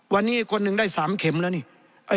วันนี้คนหนึ่งได้๓เข็มแล้วนี่